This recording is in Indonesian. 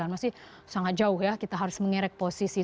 masih sangat jauh ya kita harus mengerek posisi